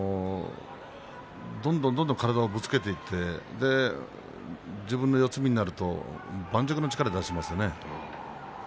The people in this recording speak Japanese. どんどんどんどん体をぶつけていって自分の四つ身になると盤石の力を出しますね。